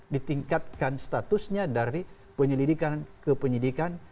ditingkatkan statusnya dari penyelidikan ke penyidikan